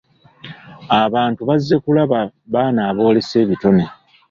Abantu bazze kulaba baana aboolesa ebitone.